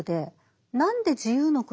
何で自由の国